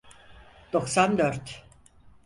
Doksan dört.